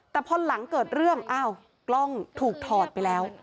แต่พอหลังเกิดเรื่องอ้าวกล้องถูกถอดไปแล้ว